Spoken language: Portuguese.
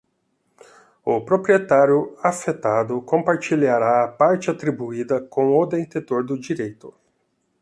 O proprietário afetado compartilhará a parte atribuída com o detentor do direito.